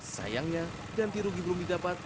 sayangnya ganti rugi belum didapat